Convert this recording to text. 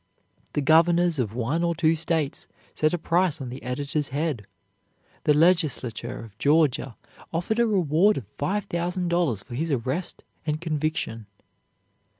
The Governors of one or two States set a price on the editor's head. The legislature of Georgia offered a reward of five thousand dollars for his arrest and conviction.